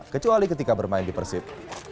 kecuali ketika bermain di persib